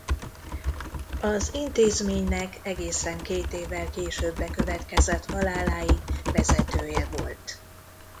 Az intézménynek egészen két évvel később bekövetkezett haláláig vezetője volt.